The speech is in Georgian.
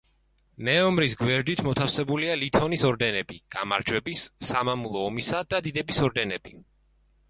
მეომრის გვერდით მოთავსებულია ლითონის ორდენები: გამარჯვების, სამამულო ომისა და დიდების ორდენები.